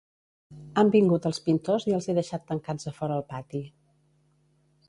Han vingut els pintors i els he deixat tancats a fora el pati